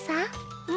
うん。